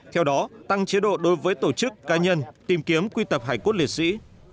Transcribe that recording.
theo đó tăng chế độ đối với tổ chức cá nhân tìm kiếm quy tập hải quốc lịch sử